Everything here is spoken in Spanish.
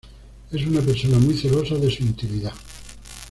Es una persona muy celosa de su intimidad.